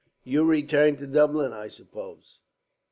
"You return to Dublin, I suppose?"